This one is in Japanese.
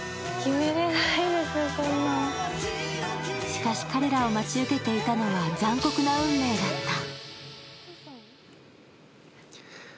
しかし、彼らを待ち受けていたのは残酷な運命だった。